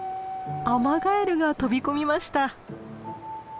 アマガエルが飛び込みました。